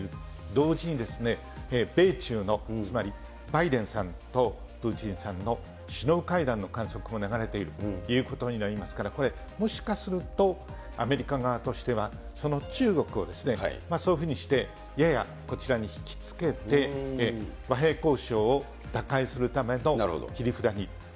同時に米中のつまり、バイデンさんとプーチンさんの首脳会談の観測も流れているということになりますから、これ、もしかすると、アメリカ側としては、その中国をそういうふうにしてややこちらに引きつけて、和平交渉を打開するための切り札に。